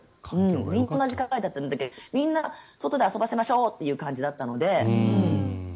みんな同じ考えだったのでみんな、外で遊ばせましょうという感じだったので。